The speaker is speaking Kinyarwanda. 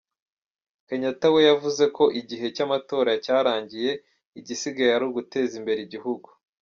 Kenyatta we yavuze ko igihe cy’amatora cyarangiye, igisigaye ari uguteza imbere igihugu.